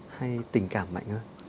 hay tình cảm mạnh hơn